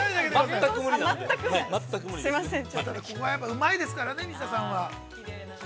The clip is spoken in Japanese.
◆うまいですからね、水田さんは。